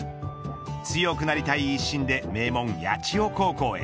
強くなりたい一心で名門、八千代高校へ。